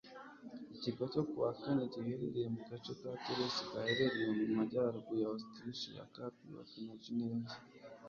Ikirwa cyo ku wa kane giherereye mu gace ka Torres gaherereye mu majyaruguru ya Ositaraliya ya Cape York na Gineya Nshya